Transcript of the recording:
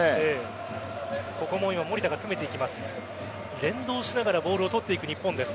ここも守田が詰めていきます。